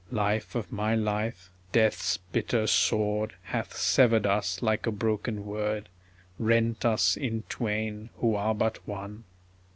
Life of my life, Death's bitter sword Hath severed us like a broken word, Rent us in twain who are but one